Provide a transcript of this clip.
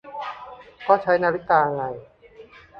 ก็ใช้นาฬิกาไง